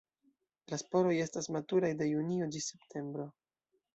La sporoj estas maturaj de junio ĝis septembro.